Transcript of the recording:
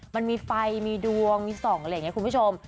มันมีไฟมีดวงมีส่องอะไรอย่างนี้คุณผู้ชม